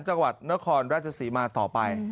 จังหวัดนครราชศรีมาต่อไป